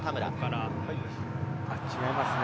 違いますね。